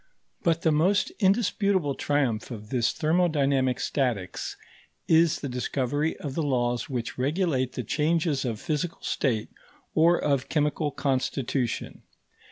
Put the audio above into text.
But the most indisputable triumph of this thermodynamic statics is the discovery of the laws which regulate the changes of physical state or of chemical constitution.